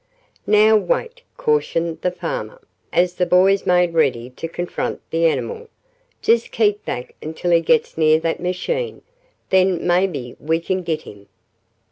"Now wait," cautioned the farmer, as the boys made ready to confront the animal. "Just keep back until he gets near that machine. Then maybe we can git him."